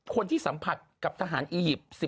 คนที่สัมผัสกับทหารอียิปต์